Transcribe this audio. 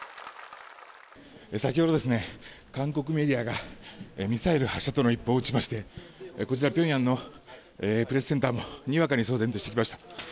先ほど、韓国メディアがミサイル発射との一報を打ちましてこちら、ピョンヤンのプレスセンターもにわかに騒然としてきました。